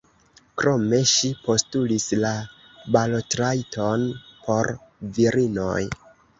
Krome ŝi postulis la balotrajton por virinoj.